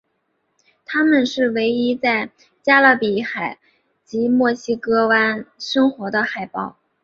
它们是唯一在加勒比海及墨西哥湾生活的海豹。